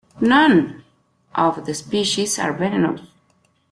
None of the species are venomous.